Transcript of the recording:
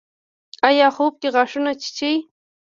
ایا خوب کې غاښونه چیچئ؟